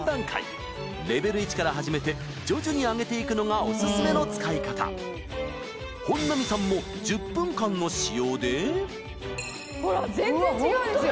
レベル１から始めて徐々に上げて行くのがオススメの使い方本並さんもほら全然違うんですよ！